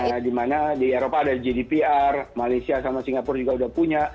nah di mana di eropa ada gdpr malaysia sama singapura juga sudah punya